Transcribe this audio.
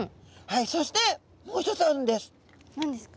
はいそしてもう一つあるんです。